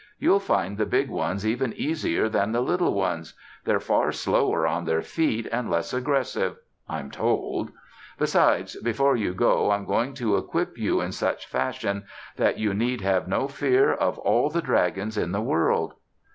You'll find the big ones even easier than the little ones. They're far slower on their feet and less aggressive, I'm told. Besides, before you go I'm going to equip you in such fashion that you need have no fear of all the dragons in the world."